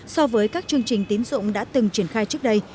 so với các chương trình tín dụng đã từng triển khai trước đây